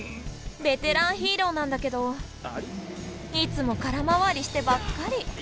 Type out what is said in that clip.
ベテランヒーローなんだけどいつも空回りしてばっかり。